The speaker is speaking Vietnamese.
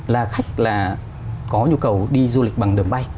là khách là có nhu cầu đi du lịch bằng đường bay